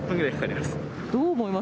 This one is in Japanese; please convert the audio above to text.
どう思います？